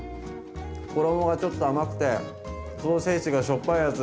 衣がちょっと甘くてソーセージがしょっぱいやつ。